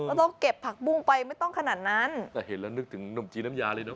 ต้องเก็บผักบุ้งไปไม่ต้องขนาดนั้นแต่เห็นแล้วนึกถึงนมจีนน้ำยาเลยเนอ